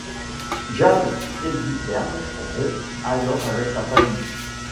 Jeanne Hébuterne rompt alors avec sa famille.